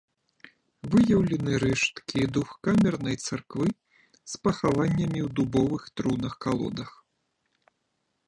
Выяўлены рэшткі двухкамернай царквы з пахаваннямі ў дубовых трунах-калодах.